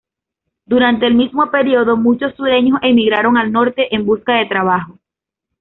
Durante el mismo periodo muchos sureños emigraron al norte en busca de trabajo.